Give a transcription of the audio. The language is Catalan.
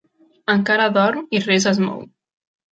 Encara dorm i res es mou.